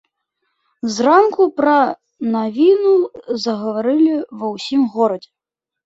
Зранку пра навіну загаварылі ва ўсім горадзе.